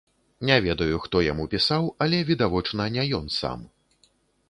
Не ведаю, хто яму пісаў, але, відавочна, не ён сам.